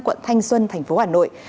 quận thanh xuân tp hà nội